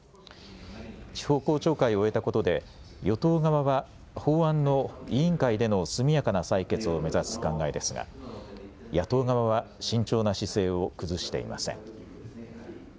地方公聴会を終えたことで与党側は法案の委員会での速やかな採決を目指す考えですが野党側は慎重な姿勢を崩していません。